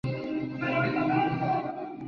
Daniel rompe con Emma.